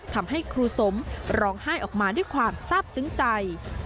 ทำให้ครูสมร้องไห้ออกมาด้วยความทราบซึ้งใจ